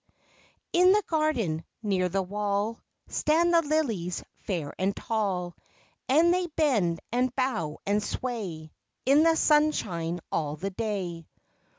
I n the garden, near the wall, Stand the lillies fair and tall, And they bend and bow and sway In the sunshine all the day.